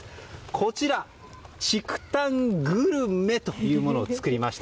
こちら、竹炭グルメというものを作りました。